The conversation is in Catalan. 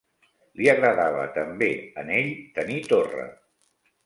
Li agradava també a n'ell tenir torra